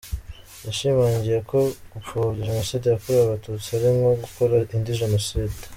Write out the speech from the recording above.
Yashimangiye ko gupfobya Jenoside yakorewe abatutsi ari nko gukora indi Jenoside.